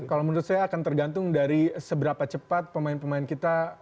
kalau menurut saya akan tergantung dari seberapa cepat pemain pemain kita